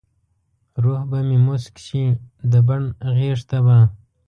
روح به مې موسک شي د بڼ غیږته به ،